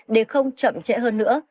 để không chậm trễ hơn nữa